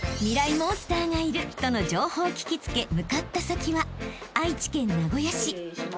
モンスターがいるとの情報を聞き付け向かった先は愛知県名古屋市］